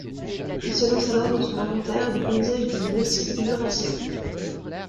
Il se lance alors dans un inventaire des paysages du massif jurassien.